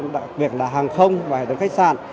đặc biệt là hàng không và hệ thống khách sạn